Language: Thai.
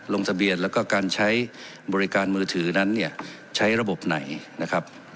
ลงทะเบียนแล้วก็การใช้บริการมือถือนั้นเนี่ยใช้ระบบไหนนะครับ